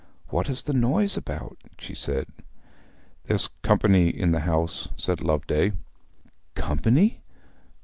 'What is the noise about?' she said. 'There's company in the house,' said Loveday. 'Company?